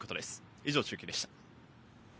以上、中継でした。